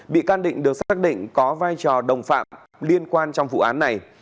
bị can định được xác định có vai trò đồng phạm liên quan trong vụ án này